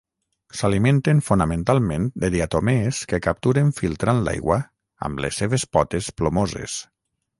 S'alimenten fonamentalment de diatomees que capturen filtrant l'aigua amb les seves potes plomoses.